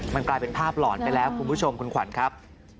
มันกลายเป็นภาพหลอนไปแล้วคุณผู้ชมคุณขวัญครับ